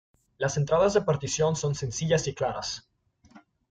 Las entradas de partición son sencillas y claras.